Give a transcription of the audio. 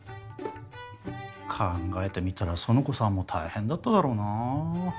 考えてみたら苑子さんも大変だっただろうなぁ。